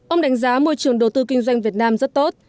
ông đánh giá môi trường đầu tư kinh doanh việt nam rất tốt